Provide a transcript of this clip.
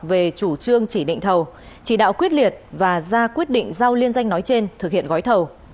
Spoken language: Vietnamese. về chủ trương chỉ định thầu chỉ đạo quyết liệt và ra quyết định giao liên danh nói trên thực hiện gói thầu